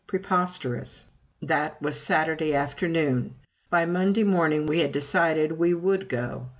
Preposterous! That was Saturday afternoon. By Monday morning we had decided we would go!